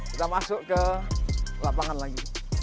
kita masuk ke lapangan lagi